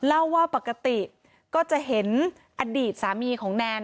เล่าว่าปกติก็จะเห็นอดีตสามีของแนน